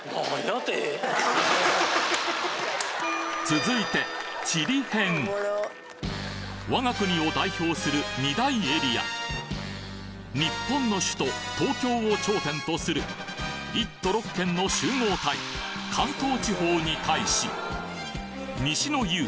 続いて我が国を代表する日本の首都東京を頂点とする１都６県の集合体関東地方に対し西の雄